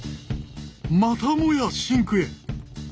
またもやシンクへ。